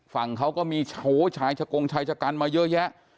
เขาก็มีโชว์ชายชะกงชายชะกันมาเยอะแยะ